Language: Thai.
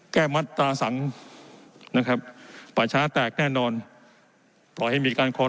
แก้มัตราสังนะครับป่าช้าแตกแน่นอนปล่อยให้มีการค้น